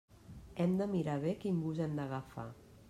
Hem de mirar bé quin bus hem d'agafar.